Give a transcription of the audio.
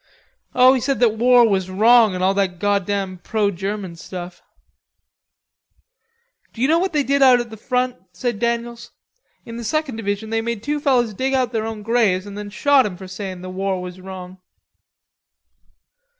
"Oh, he said that war was wrong and all that goddamed pro German stuff." "D'ye know what they did out at the front?" said Daniels. "In the second division they made two fellers dig their own graves and then shot 'em for sayin' the war was wrong."